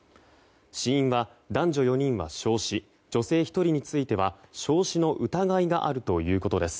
死因は男女４人は焼死女性１人については焼死の疑いがあるということです。